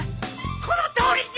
このとおりじゃ。